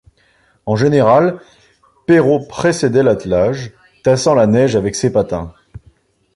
En général, Perrault précédait l’attelage, tassant la neige avec ses patins.